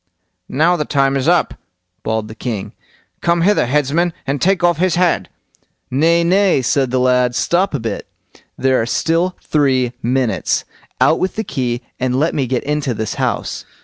"Now the time is up", bawled the king; "come hither, headsman, and take off his head." "Nay, nay!" said the lad; "stop a bit, there are still three minutes! Out with the key, and let me get into this house."